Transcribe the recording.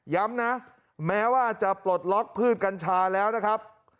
ย้ำนะแม้ว่าจะปลดล็อกพืชกัญชาแล้วนะครับ